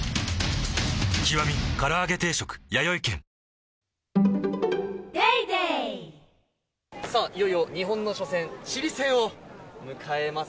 ニトリさあ、いよいよ日本の初戦・チリ戦を迎えます！